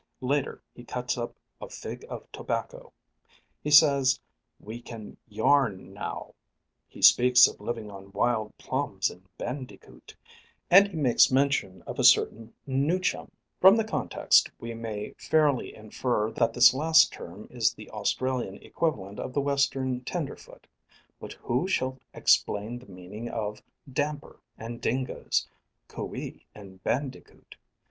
Later he cuts up "a fig of tobacco;" he says "we can yarn now;" he speaks of living on "wild plums and bandicoot;" and he makes mention of "a certain newchum." From the context we may fairly infer that this last term is the Australian equivalent of the Western tenderfoot; but who shall explain the meaning of damper and dingoes, cou ee and _bandicoot?